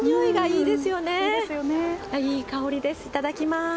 いただきます。